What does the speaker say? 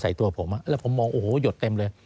ใจตัวผมและผมยอดเต็มเลย